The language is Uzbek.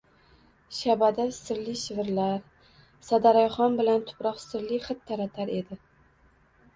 Shabada sirli shivirlar, sadarayhon bilan tuproq sirli hid taratar edi.